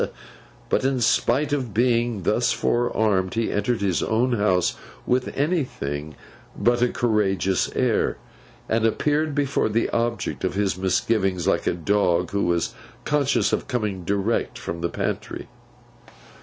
But, in spite of being thus forearmed, he entered his own house with anything but a courageous air; and appeared before the object of his misgivings, like a dog who was conscious of coming direct from the pantry.